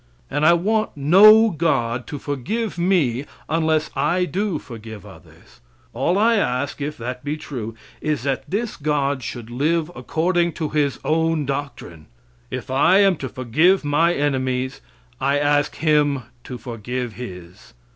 And I want no God to forgive me unless I do forgive others. All I ask, if that be true, is that this God should live according to His own doctrine. If I am to forgive my enemies I ask Him to forgive His.